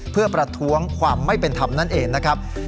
เพื่อประท้วงความไม่เป็นธรรมนั่นเองนะครับ